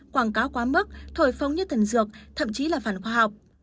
quảng cáo quá mức thổi phóng như thần dược thậm chí là phản khoa học